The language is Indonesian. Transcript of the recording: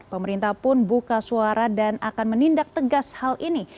pemerintah pun buka suara dan akan menindak tegas hal ini